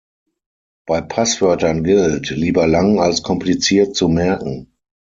Bei Passwörtern gilt: Lieber lang als kompliziert zu merken.